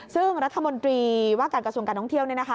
ซึ่งรัฐมนตรีว่าการกระทรวงการท่องเที่ยวเนี่ยนะคะ